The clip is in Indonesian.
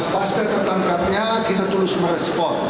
pas tertangkapnya kita terus merespon